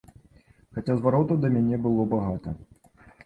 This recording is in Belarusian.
Хаця зваротаў да мяне было багата.